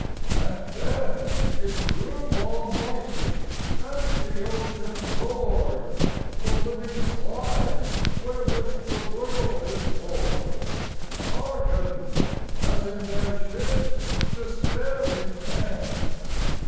And then It grew almighty and the ocean roared ; The living slime wherewith the world is floored Hearkened, as in their ships despairing men.